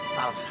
mana dia sih